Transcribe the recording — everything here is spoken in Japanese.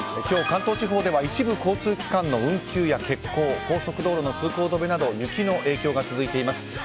今日、関東地方では一部交通機関の運休や欠航高速道路の通行止めなど雪の影響が続いています。